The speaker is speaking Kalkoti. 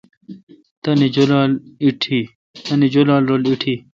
تانی جولال ایٹھی۔